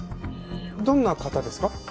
どんな方ですか？